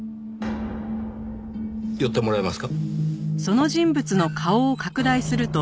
寄ってもらえますか？